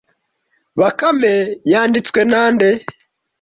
bakame yanditswe na nde